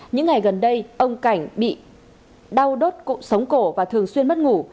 những ngày gần đây ông cảnh bị đau đốt cụm sống cổ và thường xuyên mất ngủ